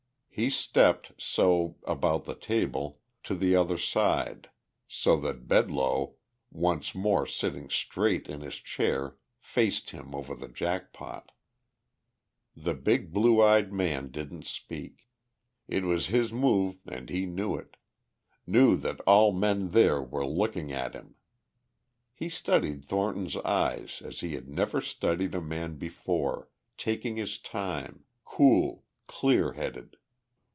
He stepped, so, about the table, to the other side, so that Bedloe, once more sitting straight in his chair, faced him over the jack pot. The big blue eyed man didn't speak. It was his move and he knew it, knew that all men there were looking at him. He studied Thornton's eyes as he had never studied a man before, taking his time, cool, clear headed.